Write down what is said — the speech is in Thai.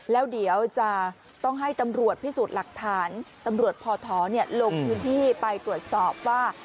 แล้วเดี๋ยวจะต้องให้ตำรวจพิสูจน์หลักฐานตำรวจพอท้อลงพื้นที่ไปตรวจสอบว่า